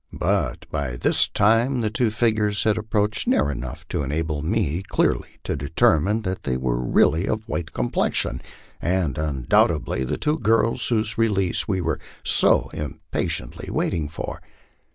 But by this time the two figures had approached near enough to enable me clearly to determine that they were really of white complexion, and undoubtedly the two girls whose release we were so impatiently waiting for.